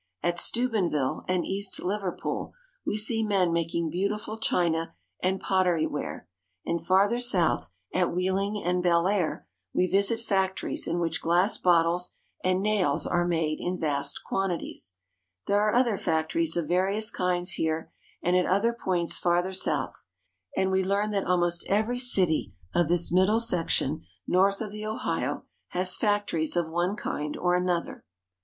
At Steu benville and East Liverpool we see men making beautiful china and pottery ware, and farther south, at Wheeling and Bellaire, we visit factories in which glass bottles and nails are made in vast quantities. There are other fac tories of various kinds here and at other points farther south, and we learn that almost every city of this middle Cincinnati Music Hall. FROM CINCINNATI TO CHICAGO. 22$ section north of the Ohio has factories of one kind or another.